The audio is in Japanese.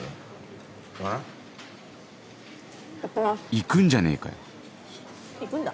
行くんじゃねえかよ行くんだ。